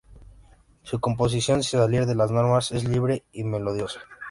Su composición, sin salir de las normas, es libre y melodiosa.